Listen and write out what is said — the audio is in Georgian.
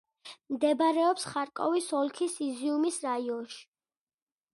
მდებარეობს ხარკოვის ოლქის იზიუმის რაიონში.